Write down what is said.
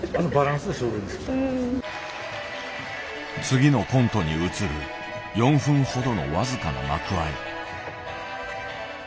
次のコントに移る４分ほどの僅かな幕あい。